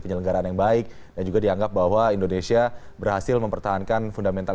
penyelenggaraan yang baik dan juga dianggap bahwa indonesia berhasil mempertahankan fundamental